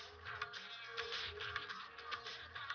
ego dan teknologi